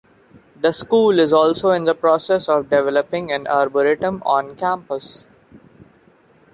The school is also in the process of developing an arboretum on campus.